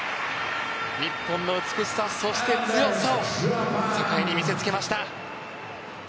日本の美しさ、そして強さを世界に見せつけました。